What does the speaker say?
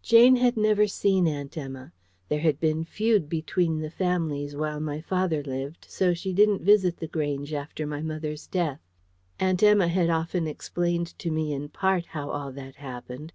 Jane had never seen Aunt Emma. There had been feud between the families while my father lived, so she didn't visit The Grange after my mother's death. Aunt Emma had often explained to me in part how all that happened.